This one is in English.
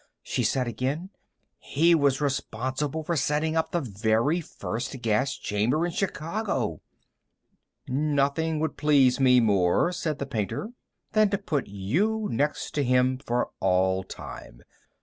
she said again. "He was responsible for setting up the very first gas chamber in Chicago." "Nothing would please me more," said the painter, "than to put you next to him for all time.